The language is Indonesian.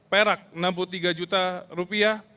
perak enam puluh tiga juta rupiah